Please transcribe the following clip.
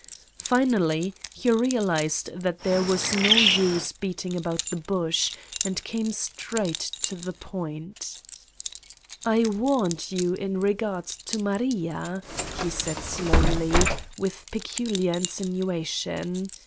Finally, he realized that there was no use beating about the bush, and came straight to the point: "I warned you in regard to Maria" he said slowly, with peculiar insinuation.